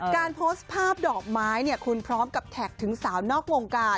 การโพสต์ภาพดอกไม้เนี่ยคุณพร้อมกับแท็กถึงสาวนอกวงการ